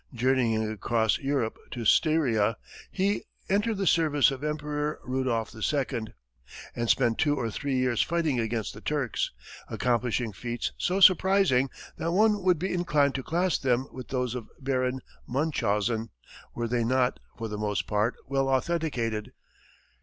Journeying across Europe to Styria, he entered the service of Emperor Rudolph II., and spent two or three years fighting against the Turks, accomplishing feats so surprising that one would be inclined to class them with those of Baron Munchausen, were they not, for the most part, well authenticated.